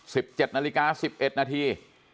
สิบเจ็ดนาฬิกาสิบเอ็ดนาที